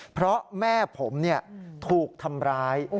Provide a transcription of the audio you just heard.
เพราะแม่ผมถูกทำร้าย